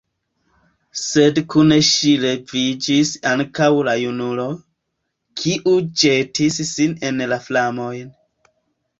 Sed kun ŝi leviĝis ankaŭ la junulo, kiu ĵetis sin en la flamojn.